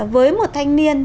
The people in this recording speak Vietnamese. với một thanh niên